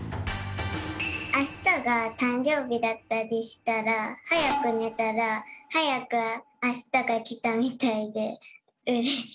あしたがたんじょうびだったりしたらはやくねたらはやくあしたがきたみたいでうれしい。